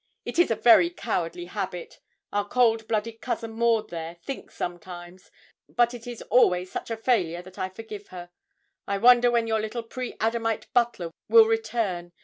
It is a very cowardly habit. Our cold blooded cousin Maud, there, thinks sometimes; but it is always such a failure that I forgive her. I wonder when your little pre Adamite butler will return.